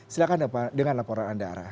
silahkan dengan laporan anda arah